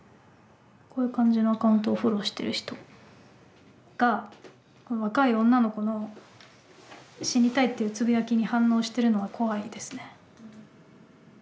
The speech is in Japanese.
こういう感じのアカウントをフォローしてる人がこの若い女の子の「死にたい」っていうつぶやきに反応してるのが怖いですね。